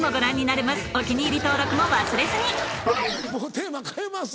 テーマ変えます